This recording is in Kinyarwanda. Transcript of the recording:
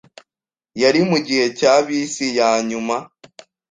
Yari mugihe cya bisi yanyuma.